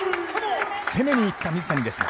攻めに行った水谷ですが。